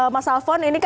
mas alfon ini juga